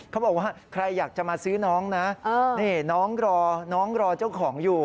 เขาบอกว่าใครอยากจะมาซื้อน้องนะนี่น้องรอน้องรอเจ้าของอยู่